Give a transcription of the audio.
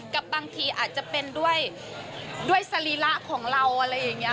กับบางทีอาจจะเป็นด้วยสรีระของเราอะไรอย่างนี้